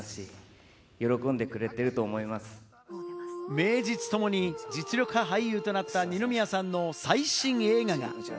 名実ともに実力派俳優となった二宮さんの最新映画が。